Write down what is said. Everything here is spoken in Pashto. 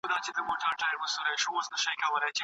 کتابتونونه د علم او پوهې لویې خزانې دي.